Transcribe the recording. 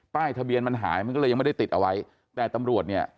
ทะเบียนมันหายมันก็เลยยังไม่ได้ติดเอาไว้แต่ตำรวจเนี่ย